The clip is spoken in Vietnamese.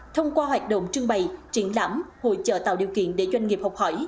thông qua hoạt động trưng bày triển lãm hội trợ tạo điều kiện để doanh nghiệp học hỏi